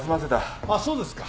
あっそうですか。